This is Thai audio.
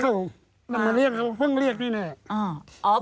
เขาก็มาเรียกเพิ่งเรียกแน่